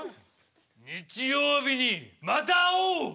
日曜日にまた会おう！